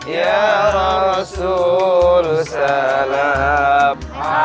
ya rasul salam